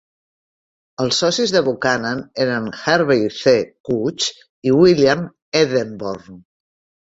Els socis de Buchanan eren Harvey C. Couch i William Edenborn.